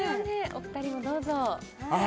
お二人もどうぞあ